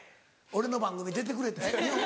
俺の番組出てくれて。